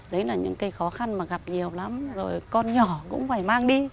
đấy là những cái khó khăn mà gặp nhiều lắm rồi con nhỏ cũng phải mang đi